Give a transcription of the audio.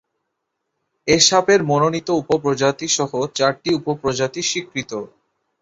এ সাপের মনোনীত উপ-প্রজাতি সহ চারটি উপ-প্রজাতি স্বীকৃত।